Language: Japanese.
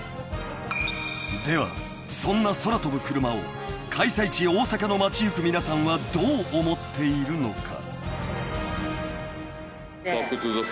［ではそんな空飛ぶ車を開催地大阪の街行く皆さんはどう思っているのか？］